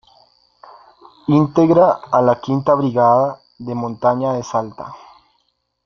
Integra a la V Brigada de Montaña de Salta.